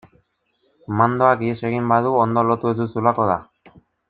Mandoak ihes egin badu ondo lotu ez duzulako da.